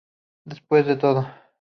Despues de todo.